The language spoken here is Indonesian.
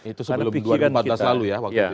itu sebelum dua ribu empat belas lalu ya waktu itu